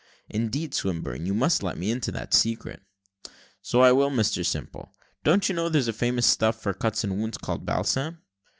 "Indeed, Swinburne, you must let me into that secret." "So I will, Mr Simple. Don't you know there's a famous stuff for cuts and wounds, called balsam?"